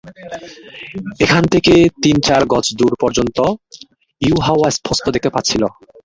এখান থেকে তিন-চার গজ দূর পর্যন্ত ইউহাওয়া স্পষ্ট দেখতে পাচ্ছিল।